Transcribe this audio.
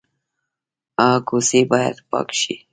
کوڅې باید پاکې شي